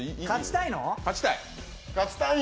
勝ちたいの？